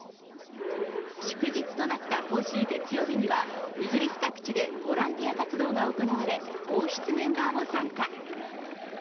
祝日となった今週月曜日には、イギリス各地でボランティア活動が行われ、王室メンバーも参加。